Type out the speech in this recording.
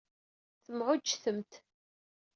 Temɛujjtemt.